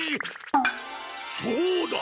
そうだ！